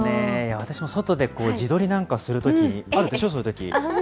私も外で自撮りなんかをするときに、あるでしょ、そういうとき。